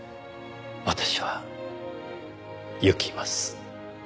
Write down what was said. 「私は逝きます」